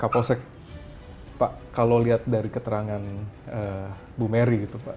pak kaposek pak kalau lihat dari keterangan bu merry gitu pak